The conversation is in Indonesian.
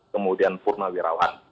kemudian purna wirawan